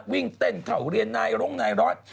วิ่งเต้นเข่าเรียนไม้ลงไงรถ